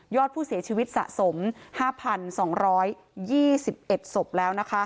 อดผู้เสียชีวิตสะสม๕๒๒๑ศพแล้วนะคะ